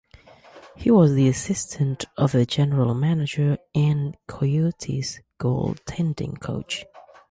He was the Assistant to the General Manager and Coyotes' goaltending coach.